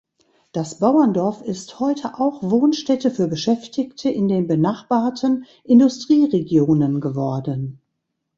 Das Bauerndorf ist heute auch Wohnstätte für Beschäftigte in den benachbarten Industrieregionen geworden.